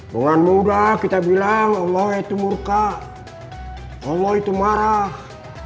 dengan mudah kita bilang allah itu murka allah itu marah